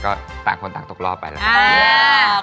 ก็ต่างคนต่างตกรอบไปแล้ว